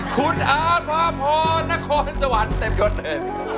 คุณอาภาพนครอนสวรรค์เต็มยกเดิน